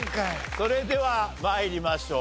それでは参りましょう。